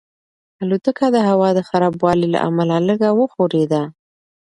الوتکه د هوا د خرابوالي له امله لږه وښورېده.